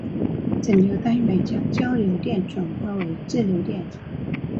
整流单元将交流电转化为直流电。